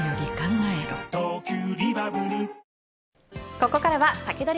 ここからはサキドリ！